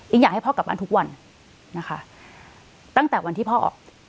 อยากให้พ่อกลับบ้านทุกวันนะคะตั้งแต่วันที่พ่อออก